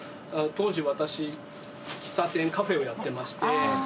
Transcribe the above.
当時私喫茶店カフェをやってまして。